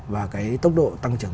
và cái tốc độ tăng trưởng